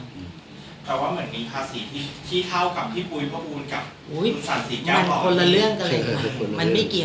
เพราะว่าเหมือนมีภาษีที่ที่เท่ากับพี่ปุ๋ยพระมูลกับอุ้ยมันคนละเรื่องก็เลยค่ะ